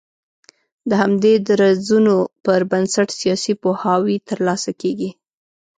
د همدې درځونو پر بنسټ سياسي پوهاوی تر لاسه کېږي